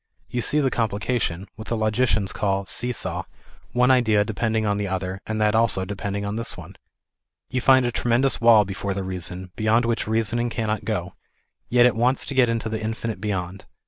You see the complication, what the logicians call see saw, one idea depending on the other, and that also depending on this one. You find a tremendous wall before the reason, beyond which reasoning cannot go ; yet it wants to get into the infinite beyond.